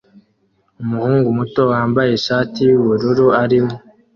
Umuhungu muto wambaye ishati yubururu arimo